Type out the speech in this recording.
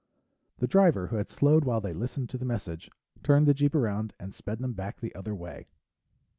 The driver, who had slowed while they listened to the message, turned the jeep around and sped them back the other way.